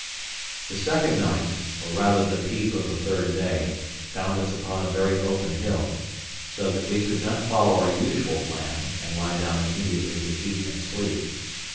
The second night, or rather the peep of the third day, found us upon a very open hill, so that we could not follow our usual plan and lie down immediately to eat and sleep.